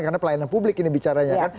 karena pelayanan publik ini bicaranya kan